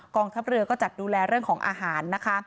ทัพเรือก็จัดดูแลเรื่องของอาหารนะคะ